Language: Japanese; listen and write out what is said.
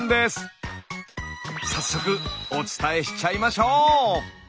早速お伝えしちゃいましょう！